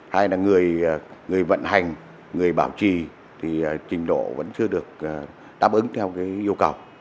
hay là người vận hành người bảo trì thì trình độ vẫn chưa được đáp ứng theo yêu cầu